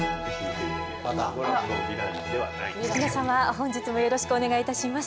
本日もよろしくお願いいたします。